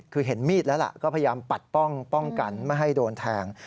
คือเห็นมีดแล้วล่ะก็พยายามปัดป้องกันไม่ให้โดนแทง